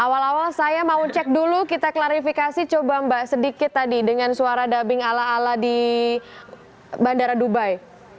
awal awal saya mau cek dulu kita klarifikasi coba mbak sedikit tadi dengan suara dubbing ala ala di bandara dubai